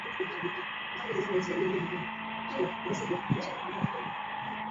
上述两个数值的乘积可以被认为是电流增益下降到单位增益时的频率。